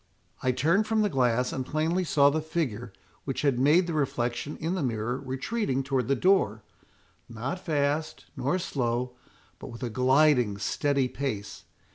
"I turned from the glass, and plainly saw the figure which had made the reflection in the mirror retreating towards the door, not fast, nor slow, but with a gliding steady pace.